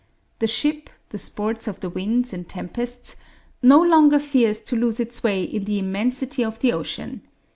The ship, the sport of the winds and tempests, no longer fears to lose its way in the immensity of the ocean.